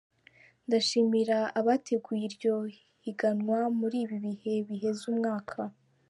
ndashimira abateguye iryo higanwa muri ibi bihe biheza umwaka.